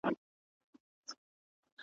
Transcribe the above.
څښتن به مي د واک یمه خالق چي را بخښلی ,